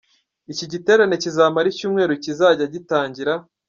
Iki giterane kizamara icyumweru kizajya gitangira.